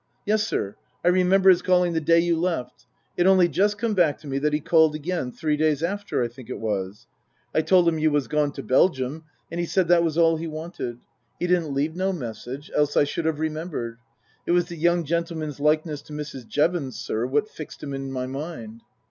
" Yes, sir, I remember 'is calling the day you left. It's only just come back to me that he called again, three days after, I think it was. I told him you was gone to Belgium, and he said that was all he wanted. He didn't leave no message, else I should have remembered. It was the young gentleman's likeness to Mrs. Jevons, sir, what fixed him in my mind."